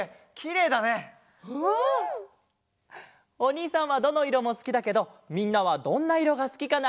おにいさんはどのいろもすきだけどみんなはどんないろがすきかな？